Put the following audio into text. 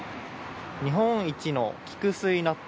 日本一の菊水納豆。